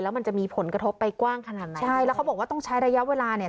มันจะมีผลกระทบไปกว้างขนาดไหนใช่แล้วเขาบอกว่าต้องใช้ระยะเวลาเนี่ย